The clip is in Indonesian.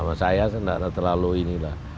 mas aya tidak terlalu ini lah